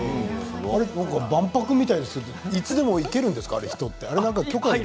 万博みたいですけどいつでも行けるんですか？